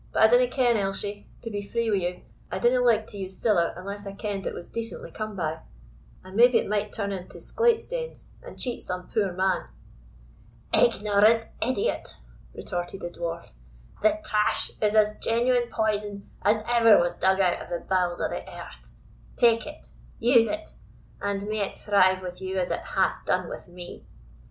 But I dinna ken, Elshie; to be free wi' you, I dinna like to use siller unless I kend it was decently come by; and maybe it might turn into sclate stanes, and cheat some poor man." "Ignorant idiot!" retorted the Dwarf; "the trash is as genuine poison as ever was dug out of the bowels of the earth. Take it use it, and may it thrive with you as it hath done with me!"